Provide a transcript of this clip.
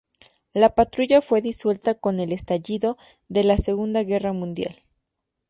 La patrulla fue disuelta con el estallido de la Segunda Guerra Mundial.